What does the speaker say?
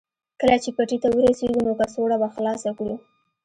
کله چې پټي ته ورسېږو نو کڅوړه به خلاصه کړو